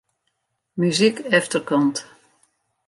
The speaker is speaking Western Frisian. Muzyk efterkant.